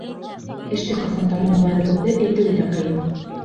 Эште ҡасан тамамларыбыҙҙы әйтеүе лә ҡыйын.